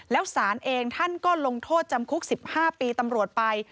แล้วสารเองท่านก็ลงโทษจำคุก๑๕ปีตำรวจไป